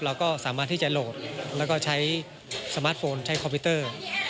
เราก็สามารถที่จะโหลดแล้วก็ใช้สมาร์ทโฟนใช้คอมพิวเตอร์